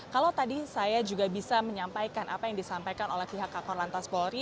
kalau tadi saya juga bisa menyampaikan apa yang disampaikan oleh pihak kakor lantas polri